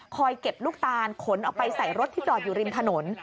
คอยเก็บลูกตานขนไปใส่รถที่สดอยู่ริมถนน